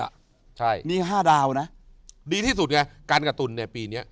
อ่ะใช่มีห้าดาวนะดีที่สุดไงกันกับตุลในปีเนี้ย